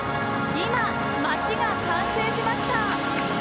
今、街が完成しました！